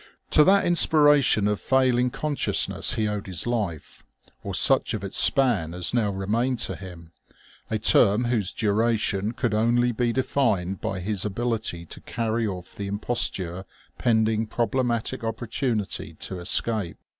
To that inspiration of failing consciousness he owed his life, or such of its span as now remained to him, a term whose duration could only be defined by his ability to carry off the imposture pending problematic opportunity to escape.